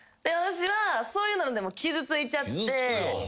私はそういうのでも傷ついちゃって。